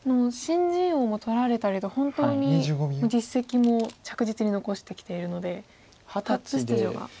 新人王も取られたりで本当に実績も着実に残してきているので初出場が。